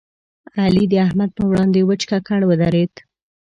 علي د احمد پر وړاندې وچ ککړ ودرېد.